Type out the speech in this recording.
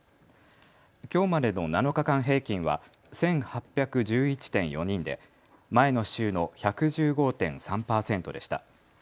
きょうまでの７日間平均は１８１１．４人で前の週の１１５．３％でした。